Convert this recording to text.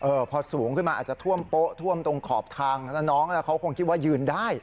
พอสูงขึ้นมาอาจจะท่วมโป๊ะท่วมตรงขอบทางแล้วน้องเขาคงคิดว่ายืนได้